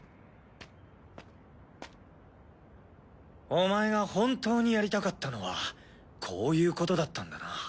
お前が本当にやりたかったのはこういうことだったんだな。